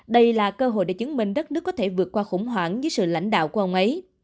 đây là cơ hội để chứng minh đất nước có thể vượt qua khủng hoảng dưới sự lãnh đạo của ông ấy